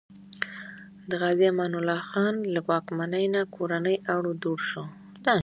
د غازي امان الله خان له واکمنۍ نه کورنی اړو دوړ شو.